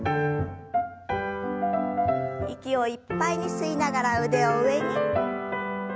息をいっぱいに吸いながら腕を上に。